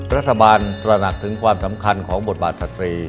ตระหนักถึงความสำคัญของบทบาทสตรี